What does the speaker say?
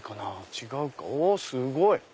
違うかおすごい！